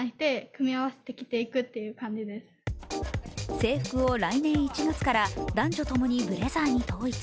制服を来年１月から男女ともにブレザーに統一。